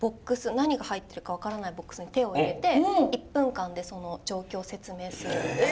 何が入ってるか分からないボックスに手を入れて１分間でその状況を説明するみたいな。